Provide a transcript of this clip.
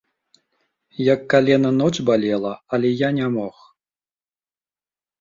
Як калена ноч балела, але я не мог.